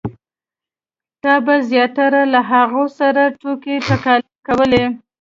تا به زیاتره له هغو سره ټوکې ټکالې کولې.